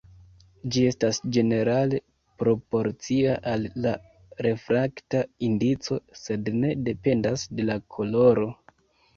Ĝi estas ĝenerale proporcia al la refrakta indico, sed ne dependas de la koloro.